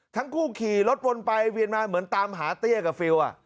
ทั้งคู่ขี่รถวนไปเวียนมาเหมือนตามหาเตี้ยกับฟิล